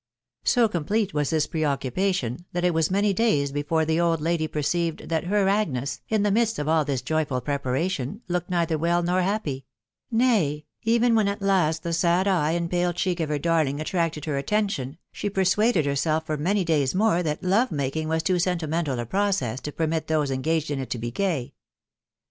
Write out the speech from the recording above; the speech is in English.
So complete was this pre occupation, that it was many days before the old lady perceived that her Agnes, in the midst of all this joyful preparation, looked neither well nor happy ; nay, even when at last the sad eye and pale cheek of her darling attracted her attention, she persuaded herself for many days more that love making was too sentimental a pie* cess to permit those engaged in it to be gay.